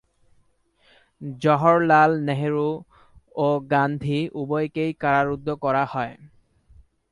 জওহরলাল নেহরু ও গান্ধী উভয়কেই কারারুদ্ধ করা হয়।